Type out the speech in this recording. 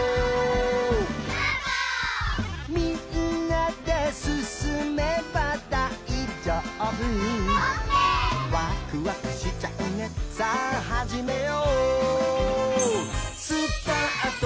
「みんなですすめばだいじょうぶ」「わくわくしちゃうねさあはじめよう」「すたあと」